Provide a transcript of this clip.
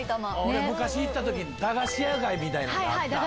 俺昔行った時駄菓子屋街みたいなのがあった。